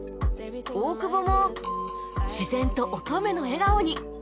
大久保も自然と乙女の笑顔に